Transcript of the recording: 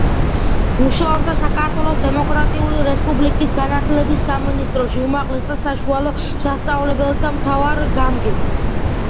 მუშაობდა საქართველოს დემოკრატიული რესპუბლიკის განათლების სამინისტროში უმაღლეს და საშუალო სასწავლებელთა მთავარ გამგედ.